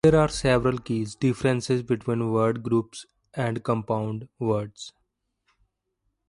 There are several key differences between word groups and compound words.